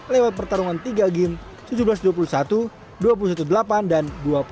lewat pertarungan tiga game tujuh belas dua puluh satu dua puluh satu delapan dan dua puluh satu